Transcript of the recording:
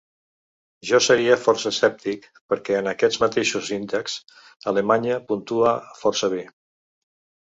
Jo seria força escèptic perquè en aquests mateixos índex, Alemanya puntua força bé.